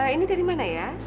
ini dari mana